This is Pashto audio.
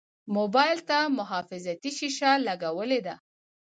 موبایل ته محافظتي شیشه لګولې ده.